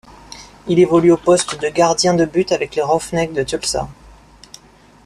Il évolue au poste de gardien de but avec les Roughnecks de Tulsa.